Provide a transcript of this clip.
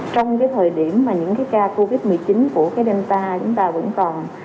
trong thời điểm mà những ca covid một mươi chín của delta chúng ta vẫn còn